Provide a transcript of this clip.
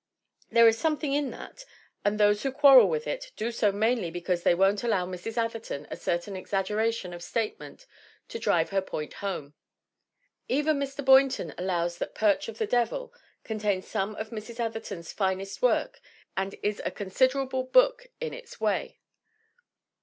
There is something in that and those who quarrel with it do so mainly because they won't allow Mrs. Atherton a certain exaggeration of statement to drive her point home. Even Mr. Boynton allows that Perch of the Devil contains some of Mrs. Atherton's finest work and is "a considerable book in its way."